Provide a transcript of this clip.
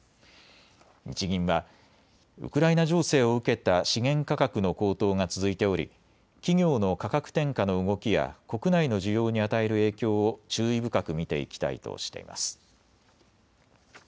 日銀はウクライナ情勢を受けた資源価格の高騰が続いており企業の価格転嫁の動きや国内の需要に与える影響を注意深く見ていきたいとしています。